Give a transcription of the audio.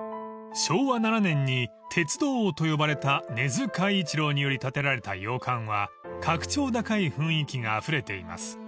［昭和７年に鉄道王と呼ばれた根津嘉一郎により建てられた洋館は格調高い雰囲気があふれています］